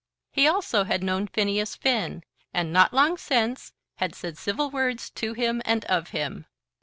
He also had known Phineas Finn, and not long since had said civil words to him and of him.